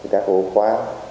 các ổ khóa